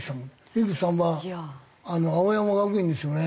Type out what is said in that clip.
井口さんは青山学院ですよね。